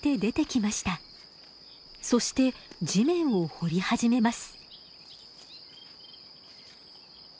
そして地面を掘り始めます。